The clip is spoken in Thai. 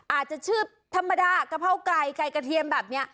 อาจจะชื่อธรรมดากะเพราไก่ไก่กระเทียมแบบนี้